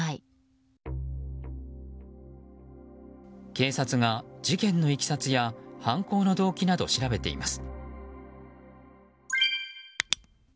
警察が事件のいきさつや犯行の動機など調べています。